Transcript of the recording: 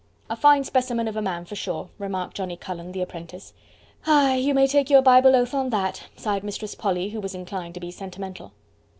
"A fine specimen of a man, for sure," remarked Johnnie Cullen, the apprentice. "Aye! you may take your Bible oath on that!" sighed Mistress Polly, who was inclined to be sentimental.